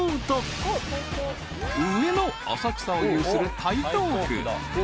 ［上野浅草を有する台東区］